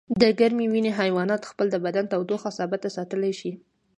د ګرمې وینې حیوانات خپل د بدن تودوخه ثابته ساتلی شي